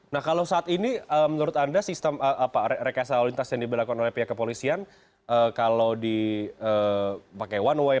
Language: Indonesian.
nah kalau saat ini menurut anda sistem rekayasa lalu lintas yang diberlakukan oleh pihak kepolisian kalau dipakai one way